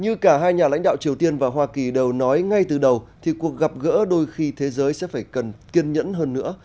như cả hai nhà lãnh đạo triều tiên và hoa kỳ đều nói ngay từ đầu thì cuộc gặp gỡ đôi khi thế giới sẽ phải cần kiên nhẫn hơn nữa